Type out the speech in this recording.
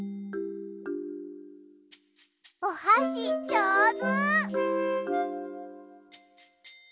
おはしじょうず！